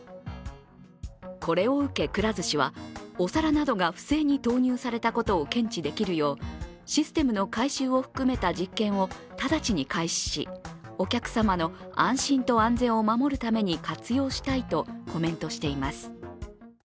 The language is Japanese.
これを受けくら寿司はお皿などが不正に投入されたことを検知できるよう、システムの改修を含めた実験を直ちに開始し、お客様の安心と安全を守るために活用したいとコメントしています。